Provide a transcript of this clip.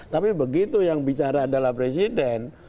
tapi begitu yang bicara adalah presiden